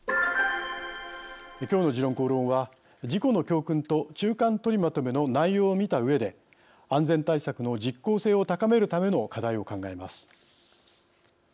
きょうの「時論公論」は事故の教訓と中間とりまとめの内容を見たうえで安全対策の実効性を高めるための課題を考えます。